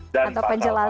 itu adalah penjelasan